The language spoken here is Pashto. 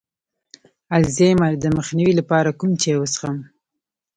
د الزایمر د مخنیوي لپاره کوم چای وڅښم؟